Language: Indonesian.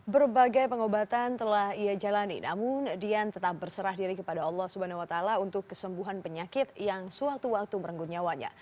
berbagai pengobatan telah ia jalani namun dian tetap berserah diri kepada allah swt untuk kesembuhan penyakit yang suatu waktu merenggut nyawanya